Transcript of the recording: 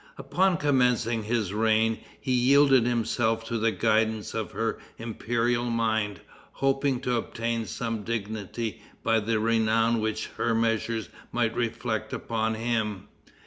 Upon commencing his reign, he yielded himself to the guidance of her imperial mind, hoping to obtain some dignity by the renown which her measures might reflect upon him.